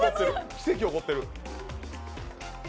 奇跡起こってる！